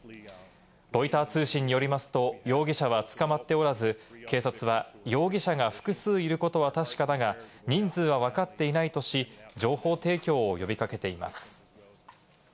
ロイター通信によりますと、容疑者は捕まっておらず、警察は容疑者が複数いることは確かだが、人数はわかっていないとし、情報提供を呼び掛けています。